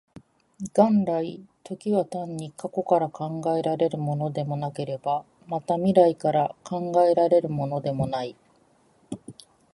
元来、時は単に過去から考えられるものでもなければ、また未来から考えられるものでもない。